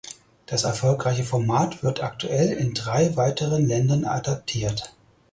Das erfolgreiche Format wird aktuell in drei weiteren Ländern adaptiert.